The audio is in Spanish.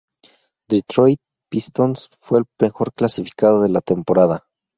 Detroit Pistons fue el mejor clasificado de la temporada.